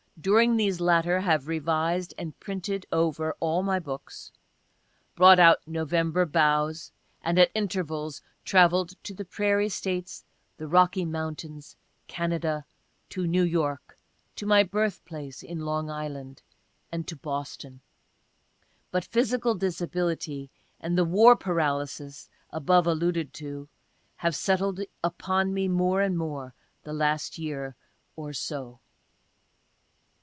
During these latter, have revised and printed over all my books — bro't out " November Boughs "— and at intervals travelled to the Prairie States, the Rocky Moun tains, Canada, to New York, to my birthplace in Long Island, and to Boston. But physical disability and the war paralysis above alluded to have settled upon me more and more, the last year or so.)